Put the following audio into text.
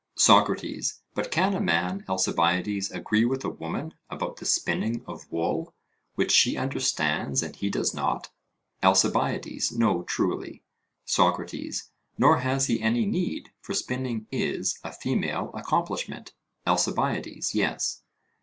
SOCRATES: But can a man, Alcibiades, agree with a woman about the spinning of wool, which she understands and he does not? ALCIBIADES: No, truly. SOCRATES: Nor has he any need, for spinning is a female accomplishment. ALCIBIADES: Yes.